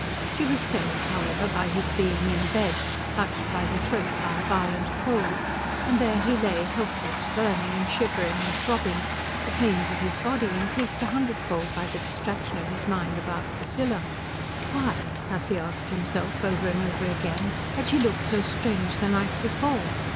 She was saved, however, by his being in bed, clutched by the throat by a violent cold; and there he lay helpless, burning and shivering and throbbing, the pains of his body increased a hundredfold by the distraction of his mind about Priscilla. Why, Tussie asked himself over and over again, had she looked so strange the night before?